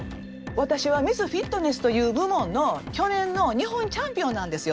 私はミスフィットネスという部門の去年の日本チャンピオンなんですよ。